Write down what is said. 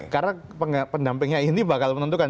karena pendampingnya ini bakal menentukan